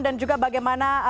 dan juga bagaimana